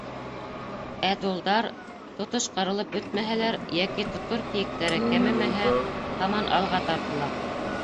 Ә долдар, тотош ҡырылып бөтмәһәләр йәки тотор кейектәре кәмемәһә, һаман алға тартыла.